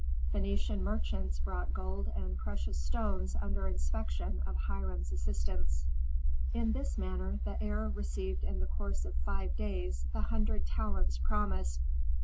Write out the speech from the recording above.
Phœnician merchants brought gold and precious stones under inspection of Hiram's assistants. In this manner the heir received in the course of five days the hundred talents promised.